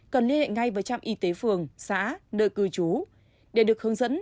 cần liên hệ ngay với trạm y tế phường xã nơi cư trú để được hướng dẫn